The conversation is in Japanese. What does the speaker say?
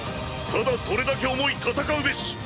ただそれだけ思い戦うべし。